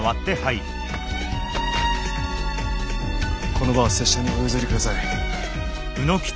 この場は拙者にお譲りください。